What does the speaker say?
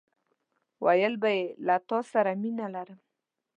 ويل به يې له تاسره مينه لرم!